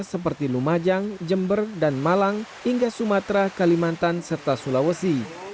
seperti lumajang jember dan malang hingga sumatera kalimantan serta sulawesi